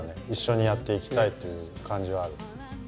一緒にやっていきたいという感じはある。